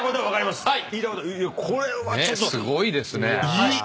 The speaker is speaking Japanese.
すごいですね。